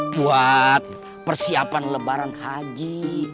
buat persiapan lebaran haji